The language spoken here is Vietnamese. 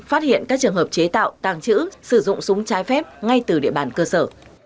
phát hiện các trường hợp chế tạo tàng trữ sử dụng súng trái phép ngay từ địa bàn cơ sở